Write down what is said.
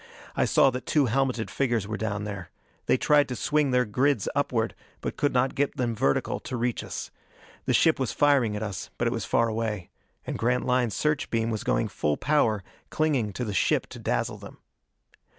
I saw that two helmeted figures were down there. They tried to swing their grids upward, but could not get them vertical to reach us. The ship was firing at us, but it was far away. And Grantline's search beam was going full power, clinging to the ship to dazzle them.